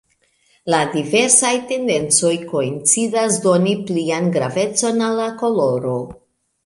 La diversaj tendencoj koincidas doni plian gravecon al la koloro.